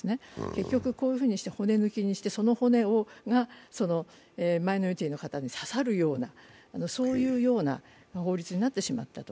結局、こういうふうにして骨抜きにして、その骨がマイノリティーの方に刺さるような法律になってしまったと。